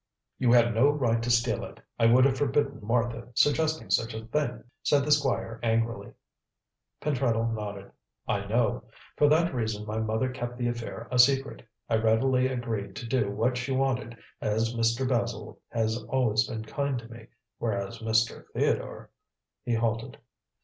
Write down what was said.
"You had no right to steal it. I would have forbidden Martha suggesting such a thing," said the Squire angrily. Pentreddle nodded. "I know. For that reason my mother kept the affair a secret. I readily agreed to do what she wanted, as Mr. Basil has always been kind to me, whereas Mr. Theodore " he halted.